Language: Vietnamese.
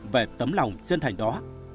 về tấm lòng chân thành đó